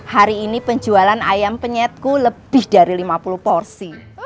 hari ini penjualan ayam penyetku lebih dari lima puluh porsi